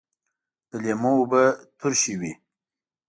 د لیمو اوبه ترشی وي